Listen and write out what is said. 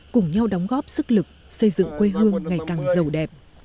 cùng nhau đóng góp sức lực xây dựng quê hương ngày càng giàu đẹp